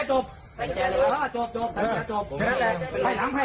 ถ้ประจายอยู่ไหน